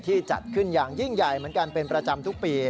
จัดขึ้นอย่างยิ่งใหญ่เหมือนกันเป็นประจำทุกปี